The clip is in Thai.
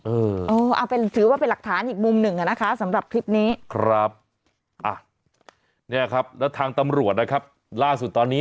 เออเอาไปถือว่าเป็นหลักฐานอย่างมุมหนึ่งนะคะสำหรับคลิปครับนี่